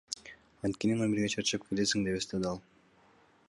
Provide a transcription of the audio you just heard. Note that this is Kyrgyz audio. Анткени номерге чарчап келесиң, — деп эстеди ал.